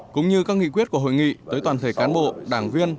cũng như các nghị quyết của hội nghị tới toàn thể cán bộ đảng viên